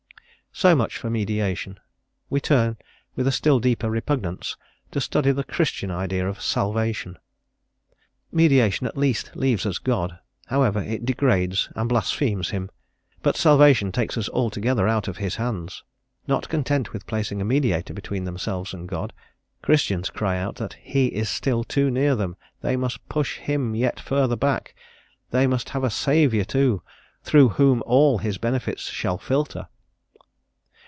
So much for mediation. We turn with a still deeper repugnance to study the Christian idea of "Salvation." Mediation at least leaves us God, however it degrades and blasphemes Him, but salvation takes us altogether out of His Hands. Not content with placing a mediator between themselves and God, Christians cry out that He is still too near them; they must push Him yet further back, they must have a Saviour too, through whom all His benefits shall filter.